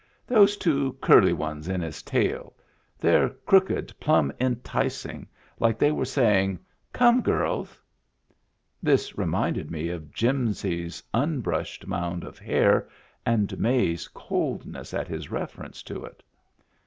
"Those two curly ones in his tail. They're crooked plumb enticing, like they were saying, 'Come, girls!'" This reminded me of Jimsy's unbrushed mound of hair and May's coldness at his reference to it.